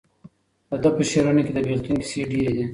د ده په شعرونو کې د بېلتون کیسې ډېرې دي.